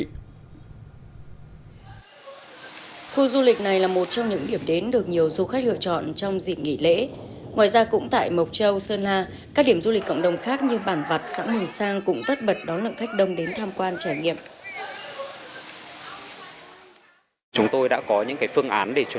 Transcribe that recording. khu du lịch này là một trong những điểm đến được nhiều du khách lựa chọn trong dịp nghỉ lễ